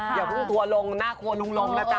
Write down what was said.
อย่าพึ่งทัวร์ลงหน้าครัวรุงรงแล้วจ๊ะ